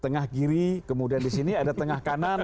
tengah kiri kemudian di sini ada tengah kanan